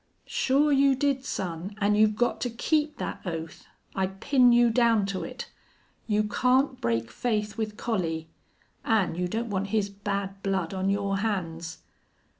"Sure you did, son. An' you've got to keep that oath. I pin you down to it. You can't break faith with Collie.... An' you don't want his bad blood on your hands."